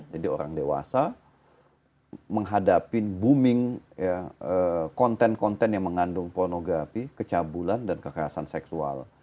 jadi orang dewasa menghadapi booming konten konten yang mengandung pornografi kecabulan dan kekerasan seksual